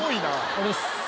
あざっす。